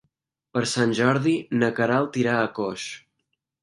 Per Sant Jordi na Queralt irà a Coix.